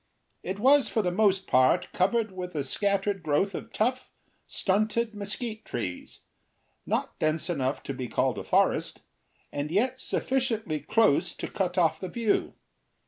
It was for the most part covered with a scattered growth of tough, stunted mesquite trees, not dense enough to be called a forest, and yet sufficiently close to cut off the view.